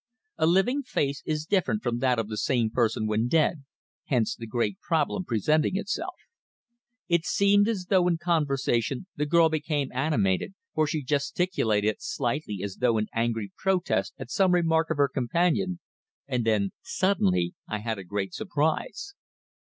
A living face is different from that of the same person when dead, hence the great problem presenting itself. It seemed as though in conversation the girl became animated, for she gesticulated slightly as though in angry protest at some remark of her companion, and then suddenly I had a great surprise.